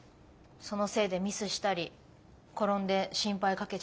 そのせいでミスしたり転んで心配かけちゃったり。